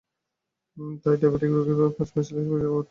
তাই ডায়াবেটিক রোগীর পাঁচমিশালী সবজি খাওয়া উত্তম।